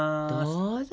どうぞ。